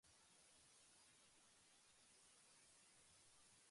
調査には関係ないものだと見なして、素通りすればよかった